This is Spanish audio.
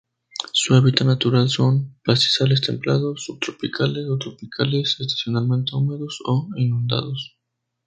Su hábitat natural son pastizales templados, subtropicales o tropicales estacionalmente húmedos o inundados.